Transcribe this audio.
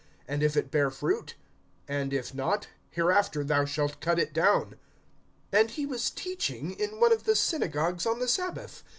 (9)And if it bear fruit ; and if not, hereafter thou shalt cut it down[13:9]. (10)And he was teaching in one of the synagogues on the sabbath.